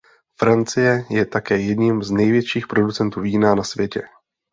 Francie je také jedním z největších producentů vína na světě.